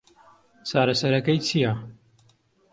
چارەسەرەکەی چییە؟